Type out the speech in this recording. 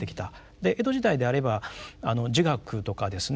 で江戸時代であれば儒学とかですね